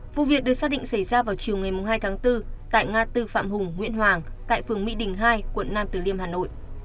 vụ việc được xác định xảy ra vào chiều ngày hai tháng bốn tại ngã tư phạm hùng nguyễn hoàng tại phường mỹ đình hai quận nam từ liêm hà nội